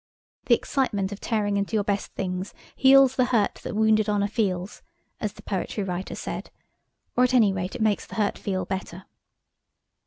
The excitement of tearing into your best things heals the hurt that wounded honour feels, as the poetry writer said–or at any rate it makes the hurt feel better.